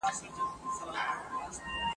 د ایران د نوموتي شاهنشاه اخشو ويرش لپاره